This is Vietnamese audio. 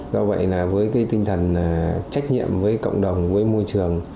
do vậy với tinh thần trách nhiệm với cộng đồng với môi trường